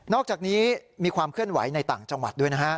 อกจากนี้มีความเคลื่อนไหวในต่างจังหวัดด้วยนะฮะ